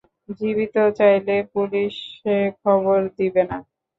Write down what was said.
জীবিত চাইলে পুলিশে খবর দিবে না।